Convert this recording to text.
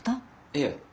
いえ。